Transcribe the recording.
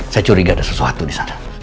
saya curiga ada sesuatu disana